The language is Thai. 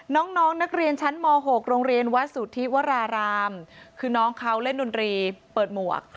น้องนักเรียนชั้นม๖โรงเรียนวัดสุธิวรารามคือน้องเขาเล่นดนตรีเปิดหมวก